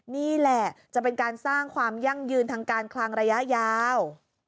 นี่แหละจะเป็นการสร้างความยั่งยืนทางการคลังระยะยาว